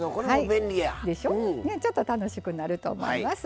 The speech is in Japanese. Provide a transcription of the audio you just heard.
ちょっと楽しくなると思います。